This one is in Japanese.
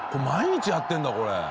毎日やってるんだこれ。